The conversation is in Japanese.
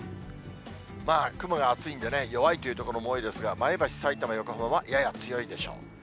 まあ、雲が厚いんでね、弱いという所も多いですが、前橋、さいたま、横浜は、やや強いでしょう。